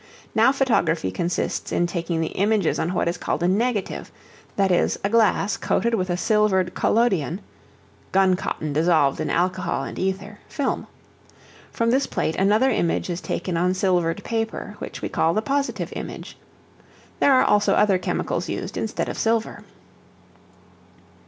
Now photography consists in taking the images on what is called a negative that is, a glass coated with a silvered collodion (gun cotton dissolved in alcohol and ether) film. From this plate another image is taken on silvered paper, which we call the positive image. There are also other chemicals used instead of silver.